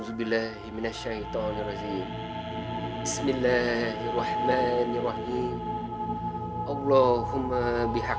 ketika engkau berkandak maka dengan izinmu hamba akan bisa menemui nadia